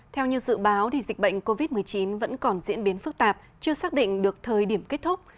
theo như dự báo dịch bệnh covid một mươi chín vẫn còn diễn biến phức tạp chưa xác định được thời điểm kết thúc